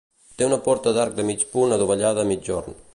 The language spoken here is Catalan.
Té una porta d'arc de mig punt adovellada a migjorn.